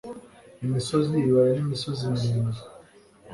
Imisozi ibibaya n'imisozi miremire